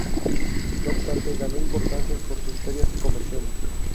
No obstante, ganó importancia por sus ferias comerciales.